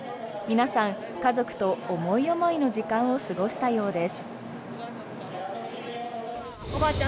皆さん、家族と思い思いの時間を過ごしたようです。